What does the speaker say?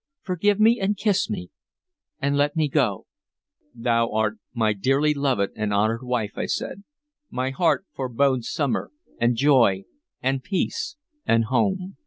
Forgive me and kiss me, and let me go." "Thou art my dearly loved and honored wife," I said. "My heart forebodes summer, and joy, and peace, and home."